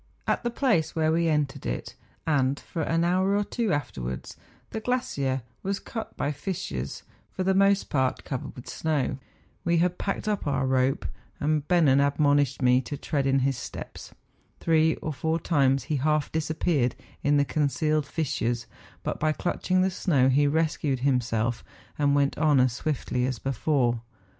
At the place where we entered it, and for an hour or two afterwards, the glacier was cut by fissures, for the most part covered with snow. We had packed up our rope ; and Bennen admonished me to tread in his steps. Three or four times he half disappeared in the concealed fissures, but by clutching the snow he rescued himself and went on as swiftly as before.